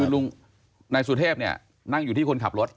คือลุงนายสุเทพเนี่ยนั่งอยู่ที่คนขับรถ